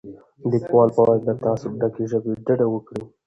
لیکوال باید له تعصب ډکې ژبې ډډه وکړي.